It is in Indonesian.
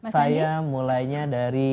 saya mulainya dari dua ribu lima belas